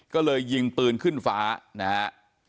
ก็เลยยิงปืนขึ้นฟ้านะฮะ